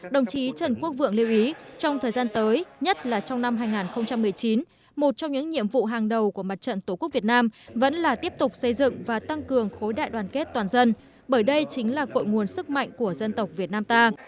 đồng chí trần quốc vượng lưu ý trong thời gian tới nhất là trong năm hai nghìn một mươi chín một trong những nhiệm vụ hàng đầu của mặt trận tổ quốc việt nam vẫn là tiếp tục xây dựng và tăng cường khối đại đoàn kết toàn dân bởi đây chính là cội nguồn sức mạnh của dân tộc việt nam ta